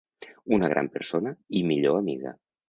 Una gran persona i millor amiga